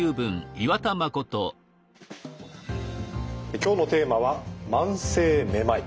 今日のテーマは「慢性めまい」。